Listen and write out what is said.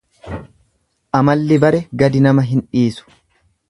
Amalli bare gadi nama hin dhiisu.